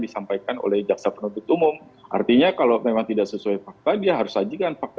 disampaikan oleh jaksa penuntut umum artinya kalau memang tidak sesuai fakta dia harus sajikan fakta